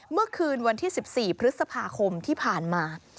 เมื่อคืนวันที่๑๔พฤษภาคมที่ผ่านมา